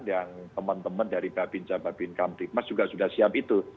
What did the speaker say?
yang teman teman dari babincam babincam dikmas juga sudah siap itu